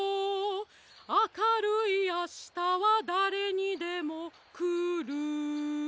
「あかるいあしたはだれにでもくる」